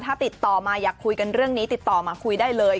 ถ้าติดต่อมาอยากคุยกันเรื่องนี้ติดต่อมาคุยได้เลย